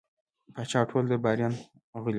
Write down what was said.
پاچا او ټول درباريان غلي ول.